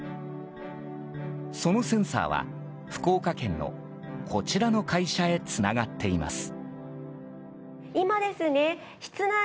そのセンサーは福岡県のこちらの会社へつながっています。